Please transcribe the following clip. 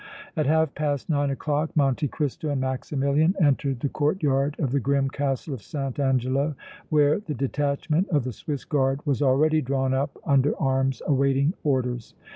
At half past nine o'clock Monte Cristo and Maximilian entered the court yard of the grim Castle of St. Angelo, where the detachment of the Swiss Guard was already drawn up under arms awaiting orders.